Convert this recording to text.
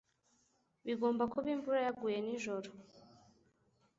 Bigomba kuba imvura yaguye nijoro.